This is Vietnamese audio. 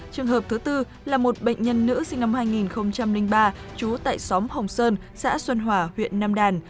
trường hợp thứ tư là một bệnh nhân nữ sinh năm hai nghìn ba trú tại xóm hồng sơn xã xuân hòa huyện nam đàn